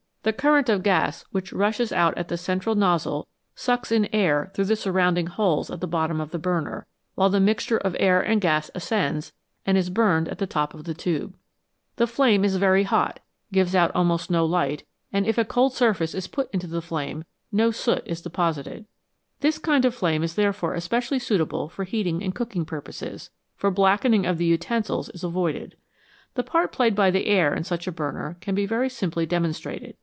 The current of gas which rushes out at the central nozzle sucks in air through the surrounding holes at the bottom of the burner, while the mixture of air and gas ascends, and is burned at the top of the tube. 112 A Buen Burner. PRODUCTION OF LIGHT AND HEAT The flame is very hot, gives out almost no light, and if a cold surface is put into the flame, no soot is deposited. This kind of flame is therefore especially suitable for heat ing and cooking purposes, for blackening of the utensils is avoided. The part played by the air in such a burner can be very simply demonstrated.